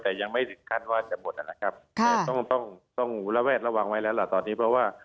แต่ยังไม่ถึงขั้นว่าจะหมดนะครับแต่ต้องต้องระแวดระวังไว้แล้วล่ะตอนนี้เพราะว่า